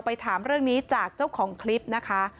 ถามเรื่องนี้จากเจ้าของคลิปนะคะ